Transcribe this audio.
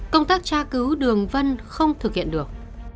công tác tra cứu đường vân không thực hiện được